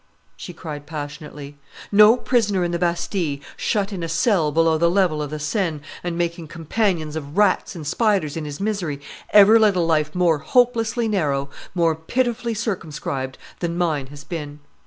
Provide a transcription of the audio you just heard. she cried passionately. "No prisoner in the Bastille, shut in a cell below the level of the Seine, and making companions of rats and spiders in his misery, ever led a life more hopelessly narrow, more pitifully circumscribed, than mine has been.